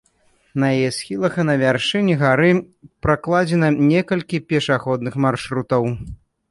На яе схілах і на вяршыні гары пракладзена некалькі пешаходных маршрутаў.